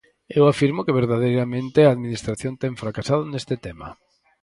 Eu afirmo que verdadeiramente a Administración ten fracasado neste tema.